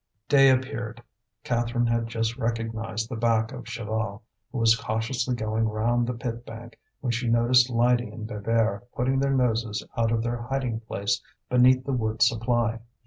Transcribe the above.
Day appeared. Catherine had just recognized the back of Chaval, who was cautiously going round the pit bank, when she noticed Lydie and Bébert putting their noses out of their hiding place beneath the wood supply.